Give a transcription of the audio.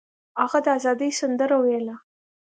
هغه د ازادۍ سندره ویله.